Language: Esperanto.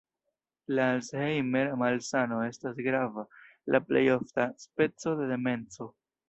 La Alzheimer-malsano estas grava, la plej ofta speco de demenco.